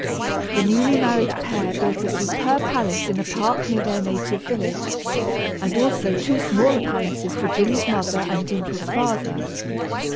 The newly married pair built a superb palace in a park near their native village, and also two smaller palaces for Jim's mother and Dimple's father.